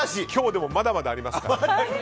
でもまだまだありますから。